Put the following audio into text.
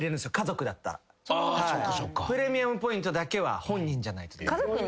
プレミアムポイントだけは本人じゃないと。